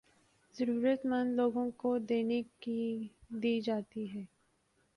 ضرورت مند لوگوں کو دینے کے دی جاتی ہیں